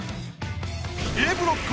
Ａブロック